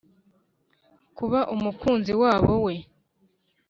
kuba umukunzi wabo we